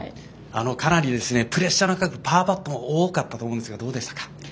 かなりプレッシャーのかかるパーパットも多かったと思うんですが、どうでしたか？